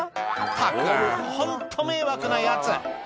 ったくホント迷惑なヤツ